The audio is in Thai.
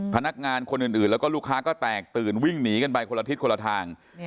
พนักงานคนอื่นแล้วก็ลูกค้าก็แตกตื่นวิ่งหนีกันไปคนละทิศคนละทาง